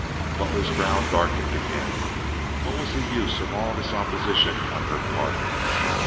Butler's brow darkened again. What was the use of all this opposition on her part?